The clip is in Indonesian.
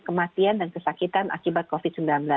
kematian dan kesakitan akibat covid sembilan belas